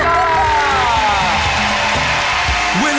มันทั้งเวลา